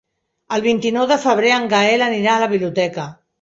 El vint-i-nou de febrer en Gaël anirà a la biblioteca.